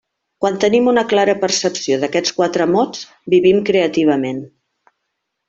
Quan tenim una clara percepció d'aquests quatre mots vivim creativament.